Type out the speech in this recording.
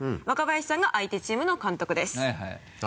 若林さんが相手チームの監督です